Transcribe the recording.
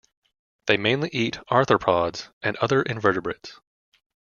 They mainly eat arthropods and other invertebrates.